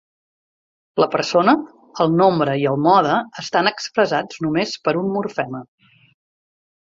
La persona, el nombre i el mode estan expressats només per un morfema.